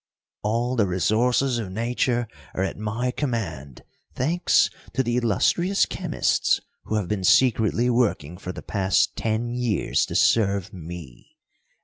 "All the resources of Nature are at my command thanks to the illustrious chemists who have been secretly working for the past ten years to serve me.